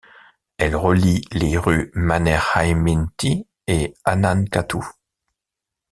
Elle relie les rues Mannerheimintie et Annankatu.